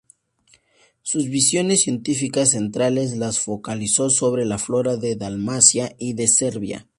Sus visiones científicas centrales las focalizó sobre la flora de Dalmacia y de Serbia.